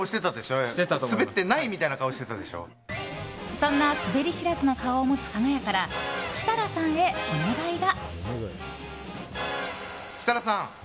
そんなスベり知らずの顔を持つ、かが屋から設楽さんへお願いが。